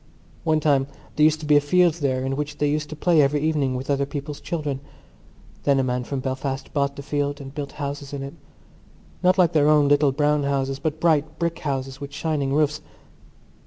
One time there used to be a field there in which they used to play every evening with other people's children. Then a man from Belfast bought the field and built houses in it—not like their little brown houses but bright brick houses with shining roofs.